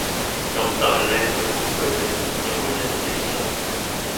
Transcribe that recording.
噉就係靚女恐懼症，有冇去睇心理醫生？